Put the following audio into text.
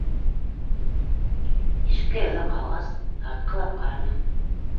Ишеккә йоҙаҡ һалғас, тартҡылап ҡараны.